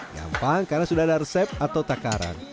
gampang karena sudah ada resep atau takaran